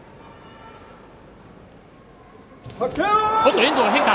遠藤変化